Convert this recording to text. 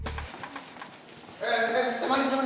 eh eh teh manis teh manis